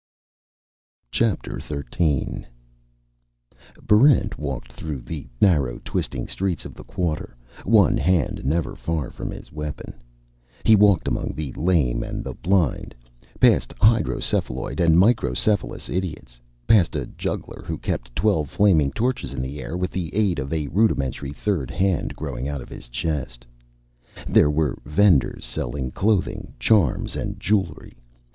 Chapter Thirteen Barrent walked through the narrow, twisting streets of the Quarter, one hand never far from his weapon. He walked among the lame and the blind, past hydrocephaloid and microcephalous idiots, past a juggler who kept twelve flaming torches in the air with the aid of a rudimentary third hand growing out of his chest. There were vendors selling clothing, charms, and jewelry.